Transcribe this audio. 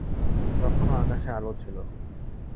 তখনো আকাশে আলো ছিল।